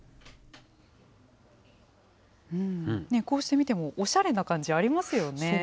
こうして見ても、おしゃれな感じありますよね。